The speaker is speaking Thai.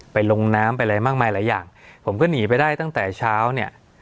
ลงน้ำไปอะไรมากมายหลายอย่างผมก็หนีไปได้ตั้งแต่เช้าเนี่ย